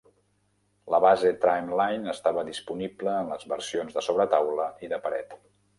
La base Trimline estava disponible en les versions de sobretaula i de paret.